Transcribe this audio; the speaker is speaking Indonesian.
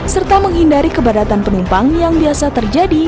serta menghindari kebadatan penumpang yang biasa terjadi